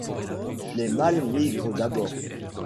Les mâles migrent d'abord.